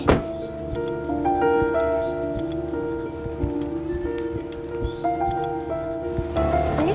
jadi macam ini